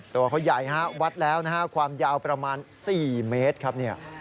ตัวเขาใหญ่ฮะวัดแล้วนะฮะความยาวประมาณ๔เมตรครับเนี่ย